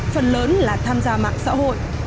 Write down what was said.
phần lớn là tham gia mạng xã hội